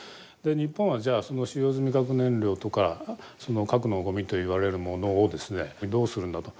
日本はじゃあその使用済み核燃料とか核のゴミといわれるものをですねどうするんだと。